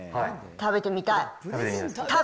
食べてみたい。